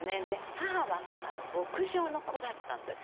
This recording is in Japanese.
母は牧場の子だったんですよ。